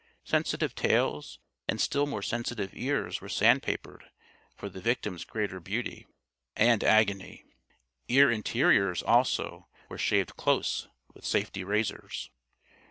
Sensitive tails and still more sensitive ears were sandpapered, for the victims' greater beauty and agony. Ear interiors, also, were shaved close with safety razors.